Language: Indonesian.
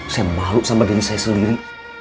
saya malu sama diri saya sendiri